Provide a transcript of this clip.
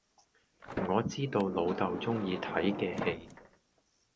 我知道老豆鍾意睇既戲